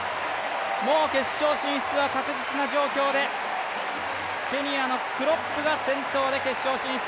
もう決勝進出は確実な状況でケニアのクロップが先頭で決勝進出。